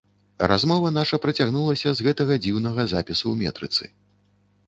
Размова наша працягнулася з гэтага дзіўнага запісу ў метрыцы.